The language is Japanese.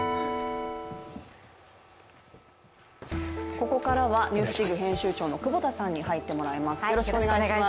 ここからはＮＥＷＳＤＩＧ編集長の久保田さんに入ってもらいます。